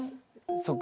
そっか。